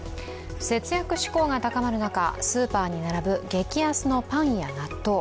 節約志向が高まる中スーパーに並ぶ激安のパンや納豆。